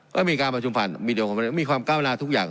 ก็มีการประชุมผ่านมีความก้าวหน้าทุกอย่าง